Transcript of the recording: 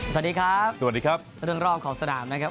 สวัสดีครับสวัสดีครับเรื่องรอบของสนามนะครับ